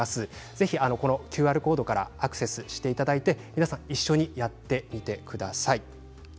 ぜひＱＲコードからアクセスしていただいて一緒にやってみてください。